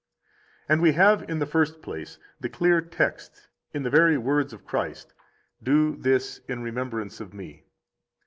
45 And we have, in the first place, the clear text in the very words of Christ: Do this in remembrance of Me.